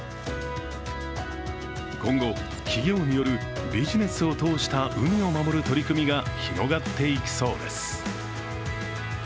今後、企業によるビジネスを通した海を守る取り組みが広がっていきそうです。